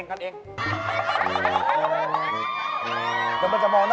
กันเองจริงไงไบ้บอนไอ้บอนนะ